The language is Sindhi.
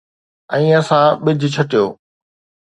۽ اسان ٻج ڇٽيو.